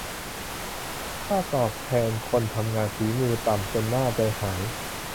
ค่าตอบแทนคนทำงานฝีมือต่ำจนน่าใจหาย